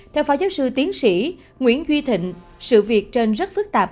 theo phó giáo sư tiến sĩ nguyễn duy thịnh sự việc trên rất phức tạp